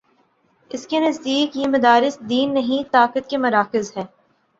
اس کے نزدیک یہ مدارس دین نہیں، طاقت کے مراکز ہیں۔